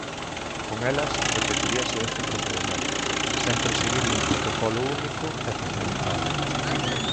Con elas repetiríase este procedemento, sempre seguindo un "protocolo único" e "centralizado".